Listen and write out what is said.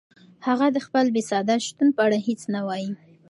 هغه د خپل بېصدا شتون په اړه هیڅ نه وایي.